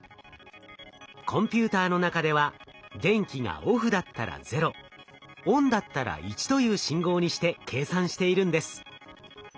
コンピューターの中では電気がオフだったら「０」オンだったら「１」という信号にして計算しているんです。